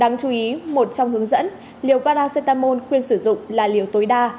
đáng chú ý một trong hướng dẫn liều paracetamol khuyên sử dụng là liều tối đa